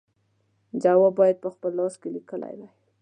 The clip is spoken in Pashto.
جواب باید په خپل لاس لیکلی وای.